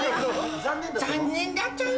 残念だったよ。